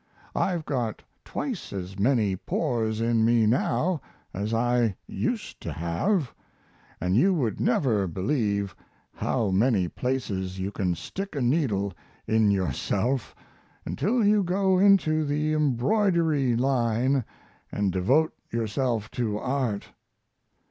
I've got twice as many pores in me now as I used to have; and you would never believe how many places you can stick a needle in yourself until you go into the embroidery line and devote yourself to art.